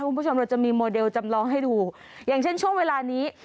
คุณผู้ชมเราจะมีโมเดลจำลองให้ดูอย่างเช่นช่วงเวลานี้